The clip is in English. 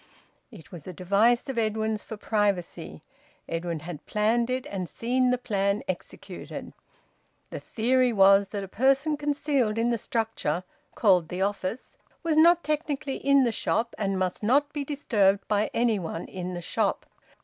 It was a device of Edwin's for privacy; Edwin had planned it and seen the plan executed. The theory was that a person concealed in the structure (called `the office') was not technically in the shop and must not be disturbed by anyone in the shop.